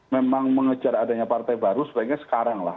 memang mengejar adanya partai baru sebaiknya sekarang lah